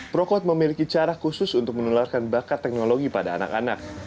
prokot memiliki cara khusus untuk menularkan bakat teknologi pada anak anak